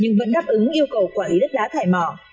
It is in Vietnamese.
nhưng vẫn đáp ứng yêu cầu quản lý đất đá thải mỏ